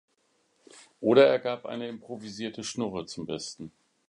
Oder er gab eine improvisierte Schnurre zum besten.